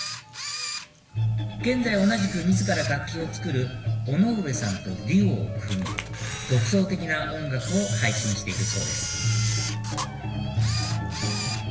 現在同じく自ら楽器を作る尾上さんとデュオを組み独創的な音楽を配信しているそうです